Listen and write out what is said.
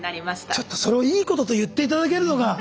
ちょっとそれをいいことと言って頂けるのが。